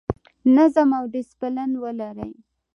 نظم او ډیسپلین ولرئ